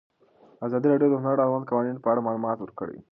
ازادي راډیو د هنر د اړونده قوانینو په اړه معلومات ورکړي.